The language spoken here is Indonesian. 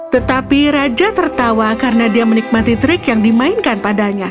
tetapi raja tertawa karena dia menikmati trik yang dimainkan padanya